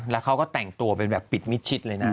แล้วเขาก็แต่งตัวเป็นแบบปิดมิดชิดเลยนะ